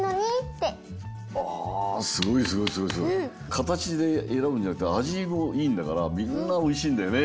かたちでえらぶんじゃなくてあじもいいんだからみんなおいしいんだよね。